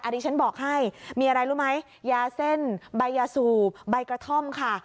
ดิฉันบอกให้มีอะไรรู้ไหมยาเส้นใบยาสูบใบกระท่อมค่ะ